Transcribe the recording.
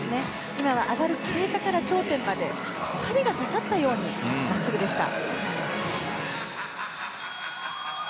今は上がる時から頂点まで針が刺さったように真っすぐでした。